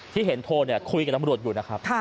ที่เห็นโทรคุยกับตำรวจอยู่นะครับ